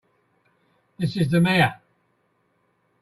This is the Mayor.